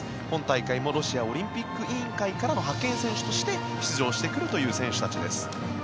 本大会もロシアオリンピック委員会からの派遣選手として出場してくるという選手たちです。